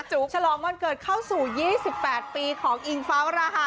ฉลองวันเกิดเข้าสู่๒๘ปีของอิงฟ้าวราฮา